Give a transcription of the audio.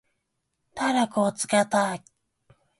体力をつけたい。